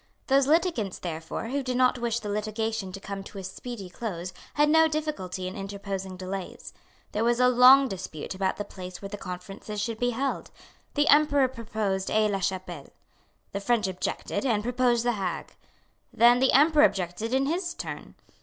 Those litigants therefore who did not wish the litigation to come to a speedy close had no difficulty in interposing delays. There was a long dispute about the place where the conferences should be held. The Emperor proposed Aix la Chapelle. The French objected, and proposed the Hague. Then the Emperor objected in his turn.